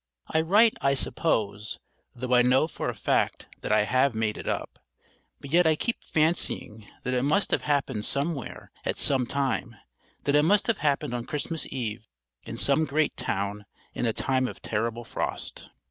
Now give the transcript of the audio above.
I write "I suppose," though I know for a fact that I have made it up, but yet I keep fancying that it must have happened somewhere at some time, that it must have happened on Christmas Eve in some great town in a time of terrible frost.